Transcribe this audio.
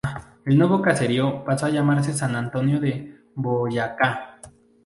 El nuevo caserío pasó a llamarse San Antonio de Boyacá.